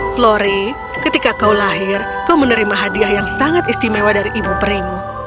flori ketika kau lahir kau menerima hadiah yang sangat istimewa dari ibu perimu